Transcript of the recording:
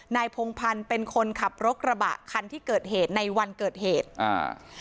พงพันธ์เป็นคนขับรถกระบะคันที่เกิดเหตุในวันเกิดเหตุอ่า